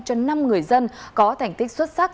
cho năm người dân có thành tích xuất sắc